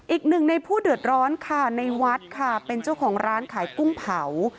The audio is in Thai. อีกหนึ่งในผู้เดือดร้อนค่ะในวัดค่ะเป็นเจ้าของร้านขายกุ้งเผา